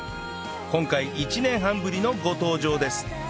今回１年半ぶりのご登場です